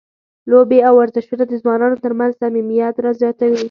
لوبې او ورزشونه د ځوانانو ترمنځ صمیمیت زیاتوي.